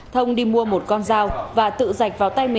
thông đi mua một con dao và tự giạch vào tay mình